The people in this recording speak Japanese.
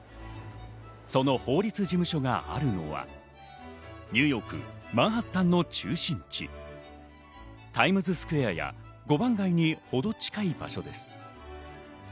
その法律事務所があるのは、ニューヨーク・マンハッタンの中心地、タイムズスクエアや五番街にほど近い場所です。